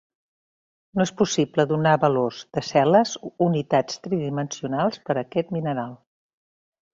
No és possible donar valors de cel·les unitat tridimensionals per a aquest mineral.